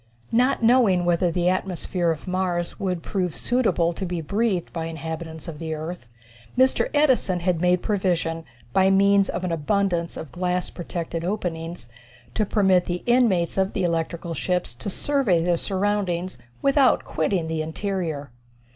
Not knowing whether the atmosphere of Mars would prove suitable to be breathed by inhabitants of the earth, Mr. Edison had made provision, by means of an abundance of glass protected openings, to permit the inmates of the electrical ships to survey their surroundings without quitting the interior.